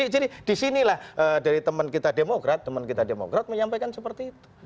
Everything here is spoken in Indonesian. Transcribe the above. jadi disinilah dari teman kita demokrat teman kita demokrat menyampaikan seperti itu